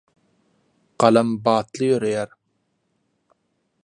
Galam batly ýöreýär